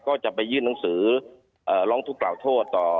ก็จะไปยื่นหนังสือร้องทุกขล่าโทษต่อ